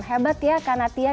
hebat ya kak natia